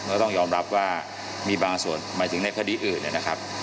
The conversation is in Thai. ก็ต้องยอมรับว่ามีบางส่วนหมายถึงในคดีอื่นนะครับ